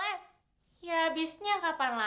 tidak ada yang bisa dikawal